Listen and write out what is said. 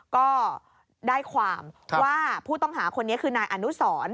ก็ได้ความว่าผู้ต้องหาคนนี้คือนายอนุสร